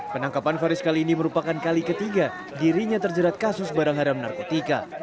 penangkapan faris kali ini merupakan kali ketiga dirinya terjerat kasus barang haram narkotika